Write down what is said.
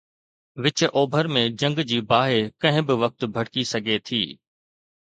وچ اوڀر ۾ جنگ جي باهه ڪنهن به وقت ڀڙڪي سگهي ٿي.